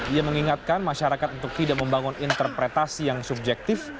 ia mengingatkan masyarakat untuk tidak membangun interpretasi yang subjektif